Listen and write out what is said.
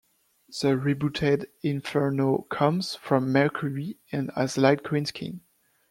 The rebooted Inferno comes from Mercury, and has light green skin.